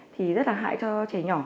thì rất là hại cho trẻ nhỏ